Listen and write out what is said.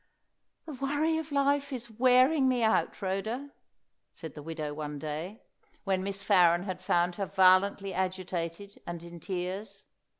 "The worry of life is wearing me out, Rhoda," said the widow one day, when Miss Farren had found her violently agitated, and in tears.